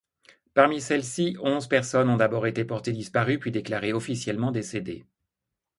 Parmi celles-ci, onze personnes ont d'abord été portées disparues puis déclarées officiellement décédées.